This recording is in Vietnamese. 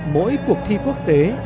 mỗi cuộc thi quốc tế